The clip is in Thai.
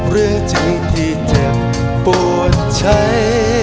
เรื่องจริงที่เจ็บปวดใจ